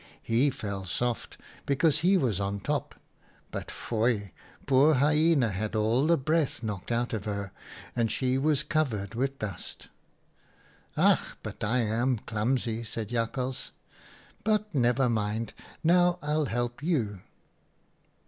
He fell soft, because he was on top, but foei ! poor Hyena had all the breath knocked out of her and she was covered with dust. "'Ach! but I am clumsy!' said Jakhals; ' but never mind, now I'll help you.'